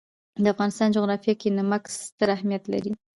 د افغانستان جغرافیه کې نمک ستر اهمیت لري.